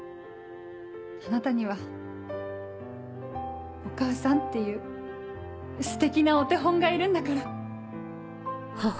あなたにはお母さんっていうステキなお手本がいるんだから。